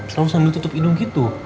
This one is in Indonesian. selalu sambil tutup hidung gitu